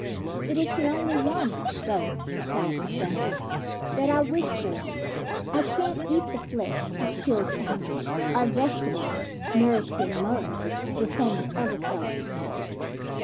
" It is the only one, though," replied his son, " that I wish for. I can't eat the flesh of killed animals or vegetables nourished in mud, the same as other fellows.